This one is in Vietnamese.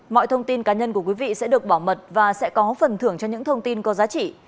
mọi thông tin cá nhân của quý vị sẽ được bảo mật và sẽ có phần thưởng cho những thông tin có giá trị